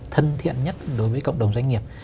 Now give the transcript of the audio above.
thân thiện nhất đối với cộng đồng doanh nghiệp